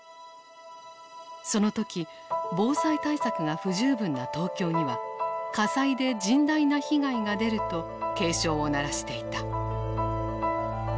その時防災対策が不十分な東京には火災で甚大な被害が出ると警鐘を鳴らしていた。